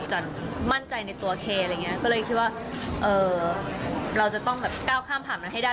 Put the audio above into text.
ว่ามั่นใจในตัวแคล์อะไรอย่างเนี่ยก็เลยคิดว่าเก้าข้ามผ่านให้ได้